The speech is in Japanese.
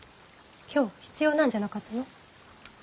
今日必要なんじゃなかったの。